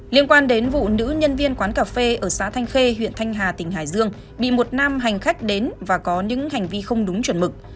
liên quan đến vụ nữ nhân viên quán cà phê ở xã thanh khê huyện thanh hà tỉnh hải dương bị một nam hành khách đến và có những hành vi không đúng chuẩn mực